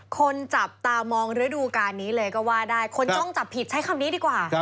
คนจับตามองฤดูการนี้เลยก็ว่าได้คนจ้องจับผิดใช้คำนี้ดีกว่า